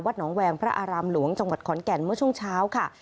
หนองแวงพระอารามหลวงจังหวัดขอนแก่นเมื่อช่วงเช้าค่ะ